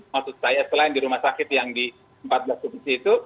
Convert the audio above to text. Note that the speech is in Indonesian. maksud saya selain di rumah sakit yang di empat belas provinsi itu